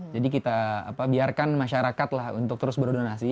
jadi kita biarkan masyarakat lah untuk terus berdonasi